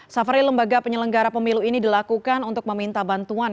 safari lembaga penyelenggara pemilu ini dilakukan untuk meminta bantuan